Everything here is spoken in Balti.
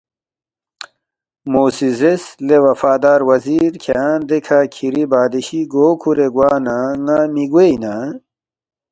مو سی زیرس، ”لے وفادار وزیر کھیانگ دیکھہ کِھری بادشی گو کُھورے گوا نہ ن٘ا مِہ گوے اِنا؟